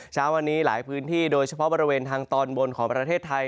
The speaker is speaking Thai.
เช้าวันนี้หลายพื้นที่โดยเฉพาะบริเวณทางตอนบนของประเทศไทย